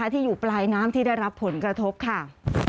ที่อยู่ปลายน้ำที่ได้รับผลกระทบค่ะ